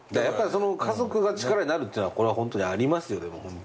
やっぱ家族が力になるっていうのはこれはホントにありますよ。